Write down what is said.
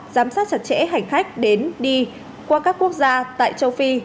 giám sát chặt chẽ hành khách đến đi qua các quốc gia tại châu phi